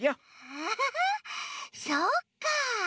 アハハそっか！